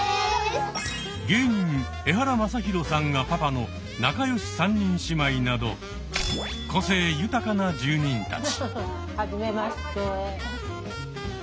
芸人エハラマサヒロさんがパパの仲よし３人姉妹など個性豊かな住人たち。